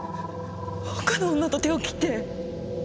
他の女と手を切って。